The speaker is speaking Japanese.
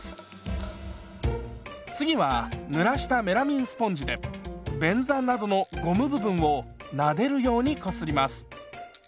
次はぬらしたメラミンスポンジで便座などのゴム部分をなでるようにこすります。